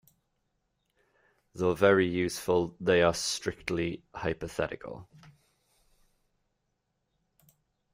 Though very useful, they are strictly hypothetical.